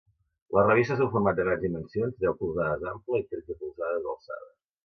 La revista és un format de grans dimensions-deu polzades d'ample i tretze polzades d'alçada.